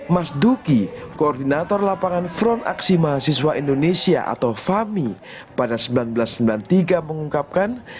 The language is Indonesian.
mas duki koordinator lapangan front aksi mahasiswa indonesia atau fami pada seribu sembilan ratus sembilan puluh tiga mengungkapkan